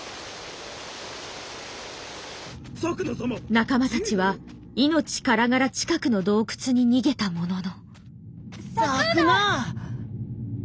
仲間たちは命からがら近くの洞窟に逃げたものの。